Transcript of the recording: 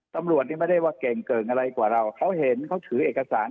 ตำรวจนี่ไม่ได้ว่าเก่งเกิ่งอะไรกว่าเราเขาเห็นเขาถือเอกสาร